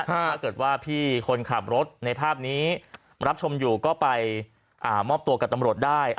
ถ้าเกิดว่าพี่คนขับรถในภาพนี้มารับชมอยู่ก็ไปมอบตัวกับตำรวจได้